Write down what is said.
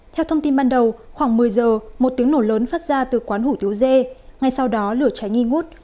theo thông tin ban đầu khoảng một mươi giờ một tiếng nổ lớn phát ra từ quán hủ tiếu dê ngay sau đó lửa cháy nghi ngút